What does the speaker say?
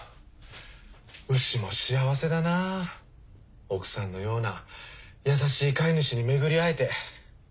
牛も幸せだな奥さんのような優しい飼い主に巡り合えて。